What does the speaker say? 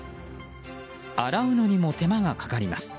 洗うのにも手間がかかります。